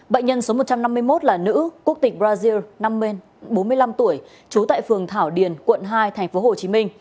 bệnh nhân số một trăm năm mươi một là nữ quốc tịch brazil năm mươi bốn mươi năm tuổi trú tại phường thảo điền quận hai tp hcm